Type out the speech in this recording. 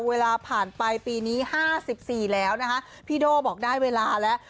เวลาผ่านไปปีนี้๕๔แล้วนะคะพี่โด่บอกได้เวลาแล้ว